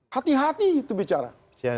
hati hati itu bicara